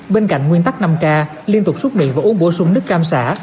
bên cạnh nguyên tắc năm k liên tục xuất miệng và uống bổ sung nước cam xã